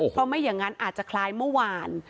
เพราะไม่อย่างนั้นอาจจะคล้ายเมื่อวาน